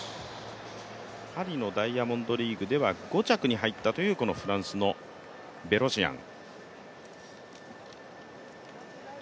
パリのダイヤモンドリーグでは５着に入ったというフランスのベロシアン。